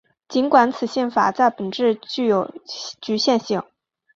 尽管此宪法在本质上具有局限性。